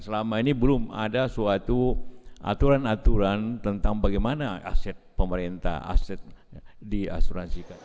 selama ini belum ada suatu aturan aturan tentang bagaimana aset pemerintah aset diasuransikan